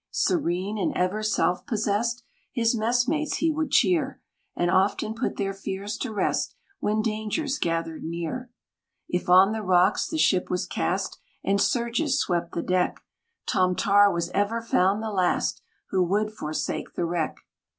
Serene, and ever self possessed, His mess mates he would cheer, And often put their fears to rest, When dangers gathered near. If on the rocks the ship was cast, And surges swept the deck, Tom Tar was ever found the last Who would forsake the wreck.